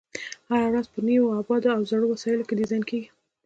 هره ورځ به په نویو ابعادو او زړو وسایلو کې ډیزاین کېږي.